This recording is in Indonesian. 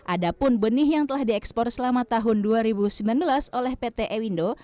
ada pun benih yang telah diekspor selama tahun dua ribu sembilan belas oleh pt ewindo